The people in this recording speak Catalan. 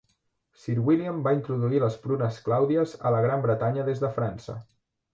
Sir William va introduir les prunes clàudies a la Gran Bretanya des de França.